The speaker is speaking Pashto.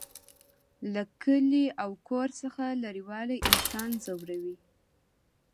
له کلي او کور څخه لرېوالی انسان ځوروي